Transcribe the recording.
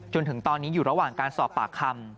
จนถึงตอนนี้อยู่ระหว่างการสอบปากคำ